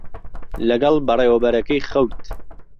لەگەڵ بەڕێوەبەرەکەی خەوت.